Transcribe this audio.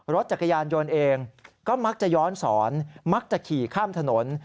รถจักรยานยนต์เองก็มักจะย้อนสอนมักจะขี่ข้ามถนน